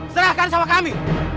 serahkan sama kami